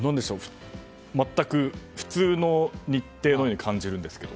全く普通の日程のように感じるんですけど。